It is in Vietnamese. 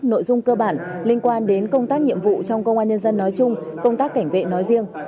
nội dung cơ bản liên quan đến công tác nhiệm vụ trong công an nhân dân nói chung công tác cảnh vệ nói riêng